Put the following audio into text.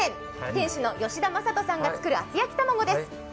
店主の吉田政人さんが作る厚焼きたまごです。